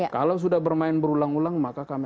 kalau sudah bermain berulang ulang maka kami